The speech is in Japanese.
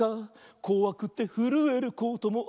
「こわくてふるえることもある」